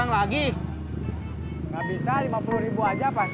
tunggu itu klima harus masing masing